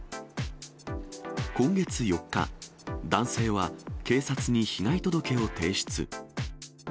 今月４日、男性は警察に被害届を提出。